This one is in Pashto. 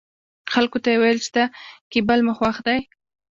خلکو ته يې ويل چې دا کېبل مو خوښ دی.